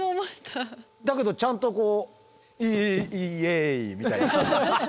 だけどちゃんとこうイイェイみたいな。